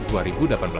kita tidak bisa kalah